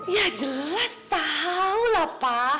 ya jelas tau lah pa